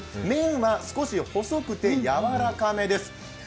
麺は少し細くて柔らかめです。